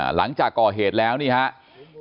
หลังจากก่อเหตุแล้วนี่ครับ